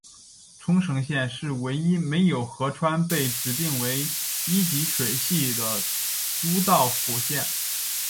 冲绳县是唯一没有河川被指定为一级水系的都道府县。